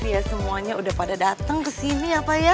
terima kasih ya semuanya udah pada datang ke sini ya pak ya